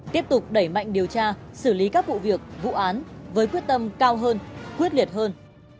tiếp tục đẩy mạnh điều tra xử lý các vụ việc vụ án với quyết tâm cao hơn quyết liệt hơn